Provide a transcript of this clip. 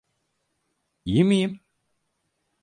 İyi miyim?